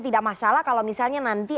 tidak masalah kalau misalnya nanti